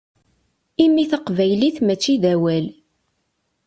Imi taqbaylit mačči d awal.